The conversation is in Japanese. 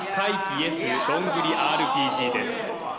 ＹｅｓどんぐりＲＰＧです